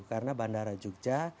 karena bandara jogja